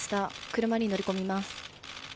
車に乗り込みます。